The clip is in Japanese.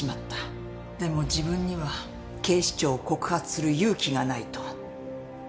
でも自分には警視庁を告発する勇気がないと。